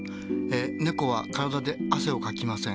ねこは体で汗をかきません。